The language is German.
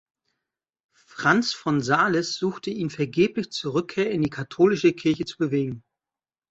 Franz von Sales suchte ihn vergeblich zur Rückkehr in die katholische Kirche zu bewegen.